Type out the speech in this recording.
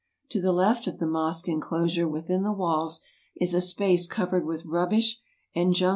To the left of the mosque enclosure within the walls is a space covered with rubbish and jungles VOL.